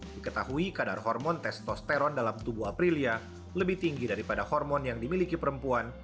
diketahui kadar hormon testosteron dalam tubuh aprilia lebih tinggi daripada hormon yang dimiliki perempuan